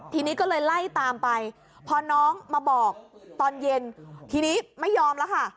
ทีนี้ก็เลยไล่ตามไปพอน้องมาบอกตอนเย็นทีนี้ไม่ยอมแล้วค่ะ